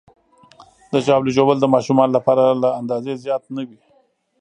د ژاولې ژوول د ماشومانو لپاره له اندازې زیات نه وي.